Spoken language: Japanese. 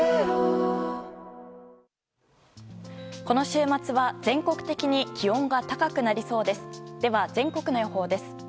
この週末は全国的に気温が高くなりそうです。